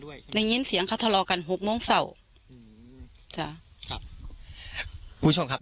ได้ยินเสียงคัตลอกันหกโมงเสาร์อืมค่ะครับคุณผู้ชมครับ